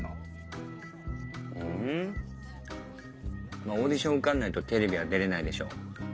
まぁオーディション受かんないとテレビは出れないでしょ。